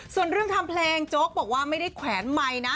ส่วนเรื่องทำเพลงโจ๊กบอกว่าไม่ได้แขวนไมค์นะ